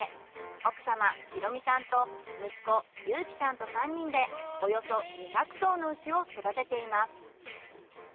奥様弘美さんと息子裕紀さんと３人でおよそ２００頭の牛を育てています。